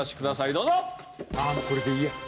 もうこれでいいや！